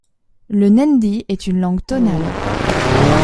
Le nandi est une langue tonale.